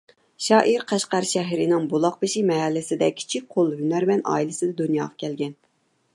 شائىر قەشقەر شەھىرىنىڭ بۇلاقبېشى مەھەللىسىدە كىچىك قول ھۈنەرۋەن ئائىلىسىدە دۇنياغا كەلگەن.